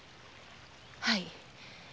はい。